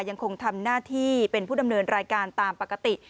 ยังคงทำหน้าที่เป็นผู้ดำเนินรายการตามปกติ